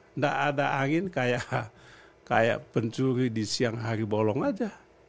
tidak ada angin kayak pencuri di siang hari bolong aja